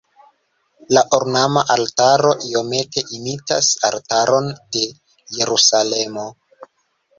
La ornama altaro iomete imitas altaron de Jerusalemo.